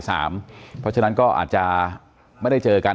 เพราะฉะนั้นก็อาจจะไม่ได้เจอกัน